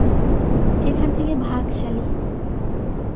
এখান থেকে ভাগ সালি!